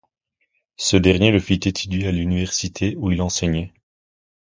Ce dernier le fit étudier à l'université où il enseignait.